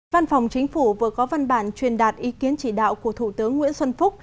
văn phòng chính phủ vừa có văn bản truyền đạt ý kiến chỉ đạo của thủ tướng nguyễn xuân phúc